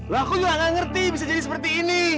loh aku juga gak ngerti bisa jadi seperti ini